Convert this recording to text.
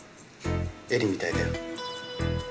絵里みたいだよ。